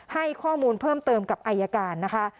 ให้ข้อมูลเพิ่มเติมกับอายการนะคะ